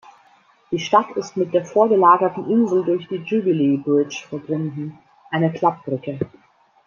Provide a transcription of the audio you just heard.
Die Stadt ist mit der vorgelagerten Insel durch die Jubilee Bridge verbunden, einer Klappbrücke.